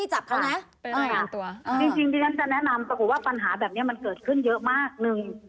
จริงพี่จะแนะนำว่าปัญหาแบบนี้เกิดขึ้นเยอะมากนึง